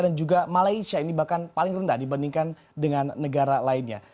dan juga malaysia ini bahkan paling rendah dibandingkan dengan negara lainnya